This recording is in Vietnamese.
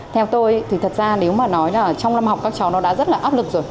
theo tôi thì thật ra nếu mà nói là trong năm học các cháu nó đã rất là áp lực rồi